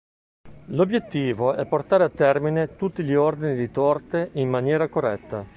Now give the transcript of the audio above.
L'obiettivo è portare a termine tutti gli ordini di torte in maniera corretta.